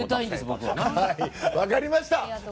分かりました。